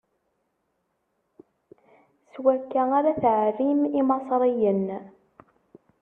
S wakka ara tɛerrim Imaṣriyen!